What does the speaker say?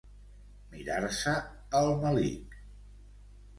Mirar-se el melic.